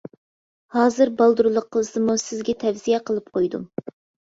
ھازىر بالدۇرلۇق قىلسىمۇ سىزگە تەۋسىيە قىلىپ قويدۇم.